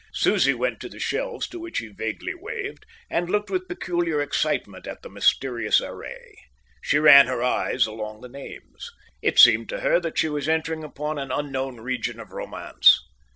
Susie went to the shelves to which he vaguely waved, and looked with a peculiar excitement at the mysterious array. She ran her eyes along the names. It seemed to her that she was entering upon an unknown region of romance.